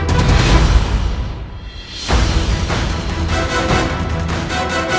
dan membuatnya jadi